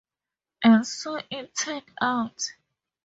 And so it turned out.